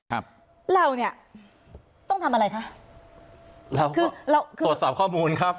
เนี่ยต้องทำอะไรคะคือตรวจสอบข้อมูลครับ